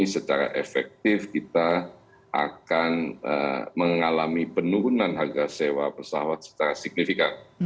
secara efektif kita akan mengalami penurunan harga sewa pesawat secara signifikan